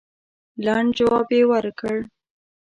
لنډ جواب یې ورکړ.